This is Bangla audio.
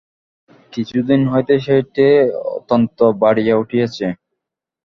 কিছুদিন হইতে সেইটে অত্যন্ত বাড়িয়া উঠিয়াছে।